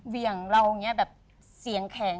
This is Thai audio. เหวี่ยงเราอย่างนี้แบบเสียงแข็ง